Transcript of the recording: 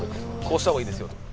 「こうした方がいいですよ」とか。